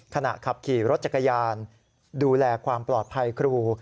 ขณะขับขี่รถจักรยานดูแลความปลอดภัยครู